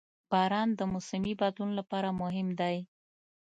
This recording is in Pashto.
• باران د موسمي بدلون لپاره مهم دی.